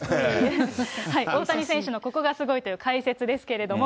大谷選手のここがすごいという解説ですけれども。